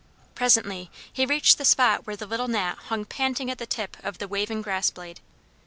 Presently he reached the spot where the little Gnat hung panting at the tip of the waving grass blade.